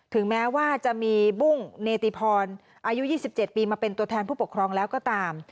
ถึงแม้ว่าจะมีบุ้งเนติพรอายุ๒๗ปีมาเป็นตัวแทนผู้ปกครองแล้วก็ตาม